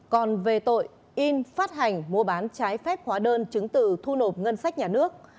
còn về tội in phát hành mua bán trái phép hóa đơn chứng từ thu nộp ngân sách nhà nước